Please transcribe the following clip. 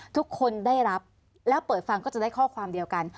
ทุกคนได้รับแล้วเปิดฟังก็จะได้ข้อความเดียวกัน